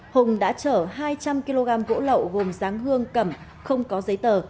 hùng đã chở hai trăm linh kg gỗ lậu gồm giáng hương cẩm không có giấy tờ